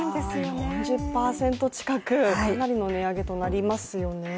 うわ、４０％近くかなりの値上げとなりますよね。